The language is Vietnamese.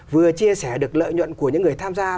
vừa chia sẻ được lợi nhuận của những người tham gia